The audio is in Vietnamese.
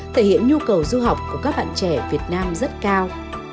thể hiện nhu cầu du học của các bạn trẻ việt nam rất cao